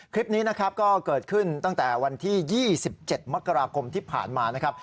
คลิปนี้นะครับก็เกิดขึ้นตั้งแต่วันที่๒๗มกราคมที่ผ่านมานะครับ